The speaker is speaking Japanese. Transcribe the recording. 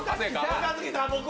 若槻さん